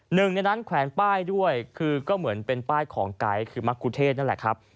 หนึ่งในนั้นแขวนป้ายด้วยคือก็เหมือนเป็นป้ายของไก๊คือมรกุเทศนั่นแหละครับ